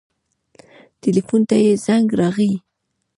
ټېلفون ته يې زنګ راغى.